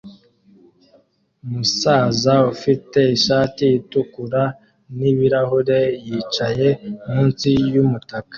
Umusaza ufite ishati itukura n ibirahure yicaye munsi yumutaka